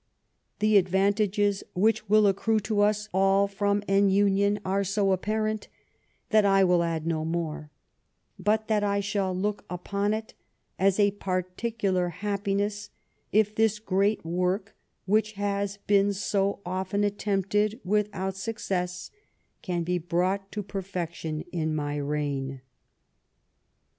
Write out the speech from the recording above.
The advantages that will accrue to us all from an union are so apparent, that I will add no more, but that I shall look upon it as a particular happiness if this great work, which has been so often attempted without suc cess, can be brought to perfection in my reign."